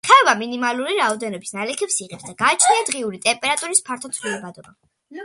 ხეობა მინიმალური რაოდენობის ნალექებს იღებს და გააჩნია დღიური ტემპერატურის ფართო ცვალებადობა.